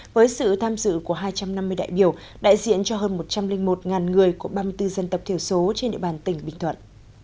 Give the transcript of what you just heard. với sự tham dự của hai trăm năm mươi đại biểu đại diện cho hơn một trăm linh một người của ba mươi bốn dân tộc thiểu số trên địa bàn tỉnh bình thuận